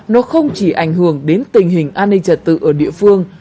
nó không chỉ ảnh hưởng đến tình hình an ninh trật tự ở địa phương